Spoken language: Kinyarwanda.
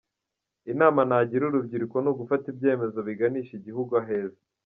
Inama nagira urubyiruko ni ugufata ibyemezo biganisha igihugu aheza.